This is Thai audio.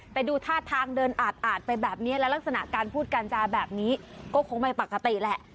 แต่ดูท่าทางเดินอาดไปแบบนี้และลักษณะการพูดการจาแบบนี้ก็คงไม่ปกติแหละ